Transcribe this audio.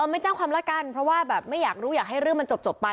ไม่แจ้งความแล้วกันเพราะว่าแบบไม่อยากรู้อยากให้เรื่องมันจบไป